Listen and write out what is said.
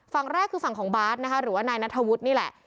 ฝั่งแรกคือฝั่งของบาร์ดนะคะหรือว่านายนัทธวุฒินี่แหละ